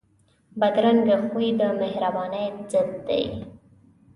بدرنګه خوی د مهربانۍ ضد دی